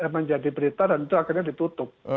menjadi berita dan itu akhirnya ditutup